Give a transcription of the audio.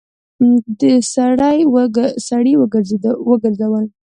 سړی وګرځول.